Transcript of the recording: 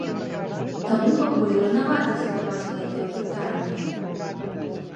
Таму пакуль ранавата задаваць гэтыя пытанні.